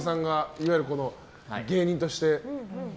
いわゆる芸人として。